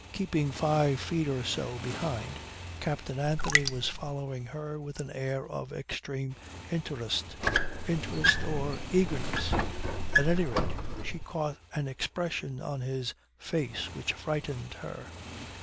Keeping five feet or so behind, Captain Anthony was following her with an air of extreme interest. Interest or eagerness. At any rate she caught an expression on his face which frightened her.